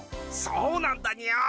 そうなんだニャ。